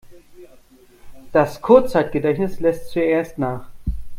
Das Kurzzeitgedächtnis lässt zuerst nach.